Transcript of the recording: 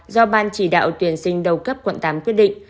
do ban chỉ đạo tuyển sinh đầu cấp quận tám quyết định